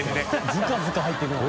ずかずか入っていくな。